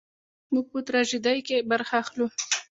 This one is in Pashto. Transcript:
موږ په تراژیدۍ کې برخه اخلو.